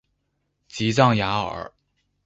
吉藏雅尔。